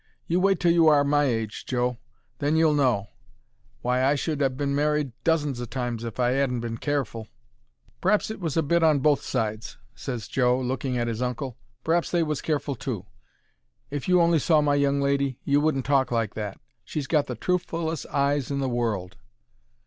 "You wait till you are my age, Joe; then you'll know; why I should ha' been married dozens o' times if I 'adn't been careful." "P'r'aps it was a bit on both sides," ses Joe, looking at 'is uncle. "P'r'aps they was careful too. If you only saw my young lady, you wouldn't talk like that. She's got the truthfullest eyes in the world.